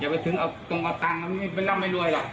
อย่าไปถึงตรงเอาตังไม่ร่างไม่รวยหรอก